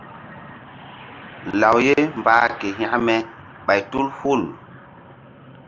Law ye mbah ke hekme ɓay tu hul.